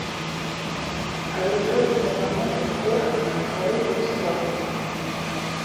Але ўзровень дапамогі хворым на анкалогію слабы.